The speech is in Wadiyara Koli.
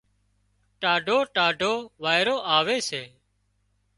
ٽاڍو ٽاڍو وارئيرو آوي سي